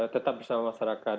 tetap bersama masyarakat